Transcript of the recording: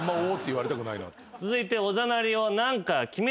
続いて。